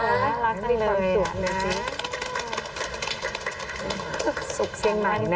รักจังเลยรักจังเลยขอบคุณสุขนะ